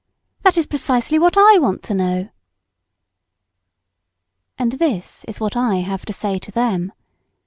That is precisely what I want to know." And this is what I have to say to them.